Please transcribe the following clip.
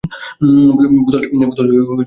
বোতলটি তোমাকে নির্দেশ করছে।